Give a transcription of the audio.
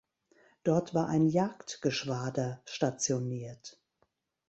Dort war ein Jagdgeschwader stationiert.